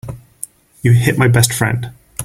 You hit my best friend.